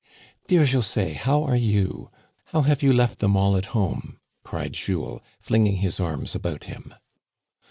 " Dear José, how are you ? How have you left them all at home ?" cried Jules, flinging his arms about him.